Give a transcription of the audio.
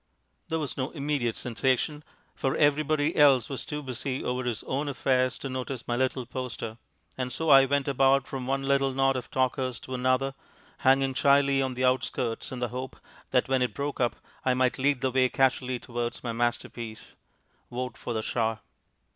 There was no immediate sensation, for everybody else was too busy over his own affairs to notice my little poster, and so I went about from one little knot of talkers to another, hanging shyly on the outskirts in the hope that, when it broke up, I might lead the way casually towards my masterpiece "VOTE FOR THE SHAH."